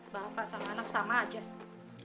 bapak sama anak sama aja